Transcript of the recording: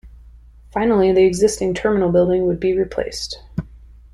Finally the existing terminal building would be replaced.